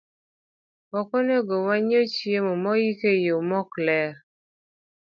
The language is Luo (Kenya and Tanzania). Ok onego wang'iew chiemo moik e yo maok ler.